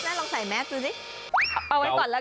เกาลงนี่อะไรหมา